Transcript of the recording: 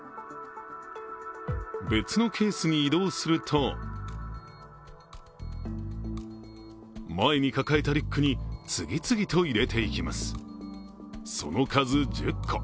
別のケースに移動すると前に抱えたリュックに次々と入れていきます。